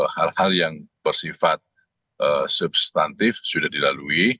hal hal yang bersifat substantif sudah dilalui